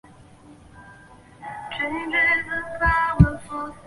超级英雄的时代就此揭开序幕。